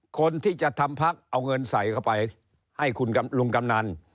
คนที่จะทำพักเอาเงินใส่เข้าไปให้คุณลุงกำนัน